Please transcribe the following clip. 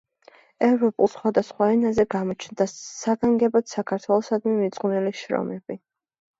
ევროპულ სხვადასხვა ენაზე გამოჩნდა საგანგებოდ საქართველოსადმი მიძღვნილი შრომები.